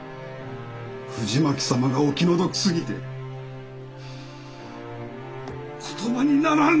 藤巻様がお気の毒すぎて言葉にならぬ。